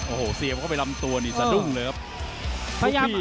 โอ้โหเสียบเข้าไปลำตัวนี่สะดุ้งเลยครับ